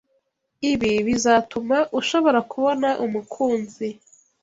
Ibi bizatuma ushobora kubona umukunzi